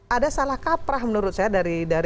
ada salah kaprah menurut saya dari